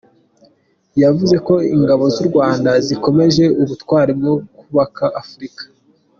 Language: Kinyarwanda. Yavuze ko ingabo z’u Rwanda zikomeje ubutwari bwo kubaka Afurika.